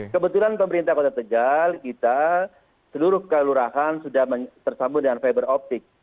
kebetulan pemerintah kota tegal kita seluruh kelurahan sudah tersambung dengan fiberoptik